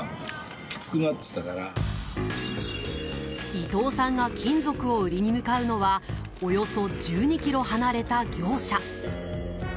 伊藤さんが金属を売りに向かうのはおよそ１２ｋｍ離れた業者。